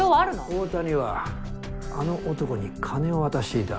大谷はあの男に金を渡していた。